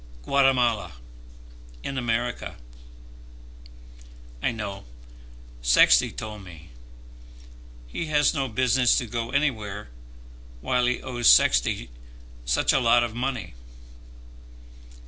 "Guatemala, in America." "I know. Sexty told me. He has no business to go anywhere, while he owes Sexty such a lot of money.